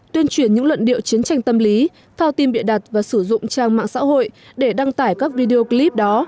tuyên truyền những luận điệu chiến tranh tâm lý phao tin bịa đặt và sử dụng trang mạng xã hội để đăng tải các video clip đó